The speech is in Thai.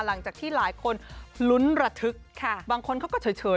หลังจากที่หลายคนลุ้นระทึกบางคนเขาก็เฉย